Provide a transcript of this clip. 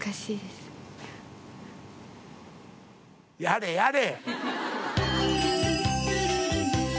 やれやれ。